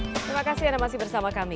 terima kasih anda masih bersama kami